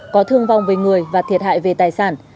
có thương vong về người và thiệt hại về tài sản